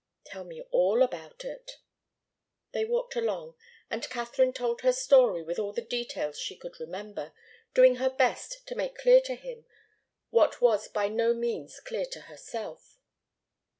"Tell me all about it." They walked along, and Katharine told her story with all the details she could remember, doing her best to make clear to him what was by no means clear to herself.